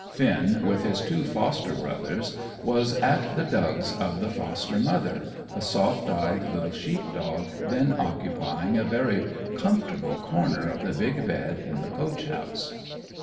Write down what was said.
Finn, with his two foster brothers, was at the dugs of the foster mother, a soft eyed little sheep dog, then occupying a very comfortable corner of the big bed in the coach house.